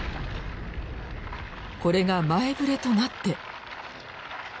これが前ぶれとなって。